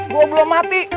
gue belum mati